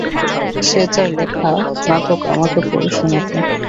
সে তার লেখা নাটক আমাকে পড়ে শোনাত।